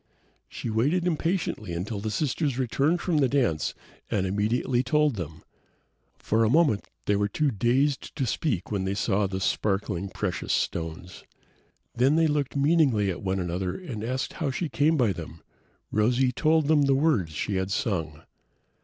She waited impatiently until the sisters returned from the dance and immediately told them. For a moment they were too dazed to speak when they saw the sparkling precious stones. Then they looked meaningly at one another and asked how she came by them. Rosy told them of the words she had sung.